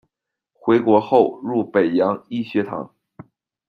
回国后入北洋医学堂。